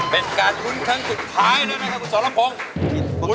เป็นการคุ้นครั้งสุดท้ายแล้วนะครับคุณสรพงศ์